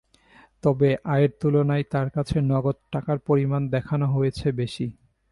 তবে আয়ের তুলনায় তাঁর কাছে নগদ টাকার পরিমাণ দেখানো হয়েছে বেশি।